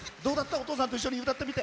お父さんと一緒に歌ってみて。